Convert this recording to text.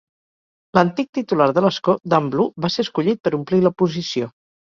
L"antic titular de l"escó, Dan Blue, va ser escollit per omplir la posició.